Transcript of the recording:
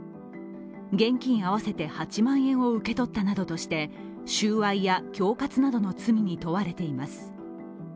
現金合わせて８万円を受け取ったなどとして収賄や恐喝などの罪に問われています。